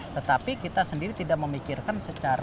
tetapi kita sendiri tidak memikirkan secara